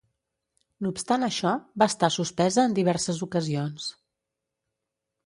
No obstant això, va estar suspesa en diverses ocasions.